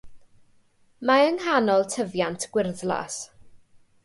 Mae ynghanol tyfiant gwyrddlas.